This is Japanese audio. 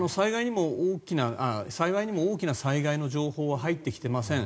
幸いにも大きな災害の情報は入ってきていません。